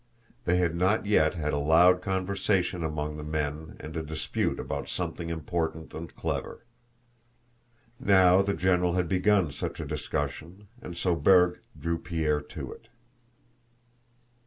They had not yet had a loud conversation among the men and a dispute about something important and clever. Now the general had begun such a discussion and so Berg drew Pierre to it.